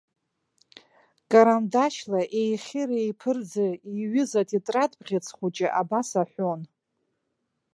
Карандашьла еихьыр-еиԥырӡа иҩыз атетрад бӷьыц хәыҷы абас аҳәон.